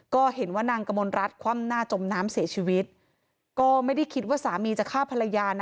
ก็เห็นว่านางกมลรัฐคว่ำหน้าจมน้ำเสียชีวิตก็ไม่ได้คิดว่าสามีจะฆ่าภรรยานะ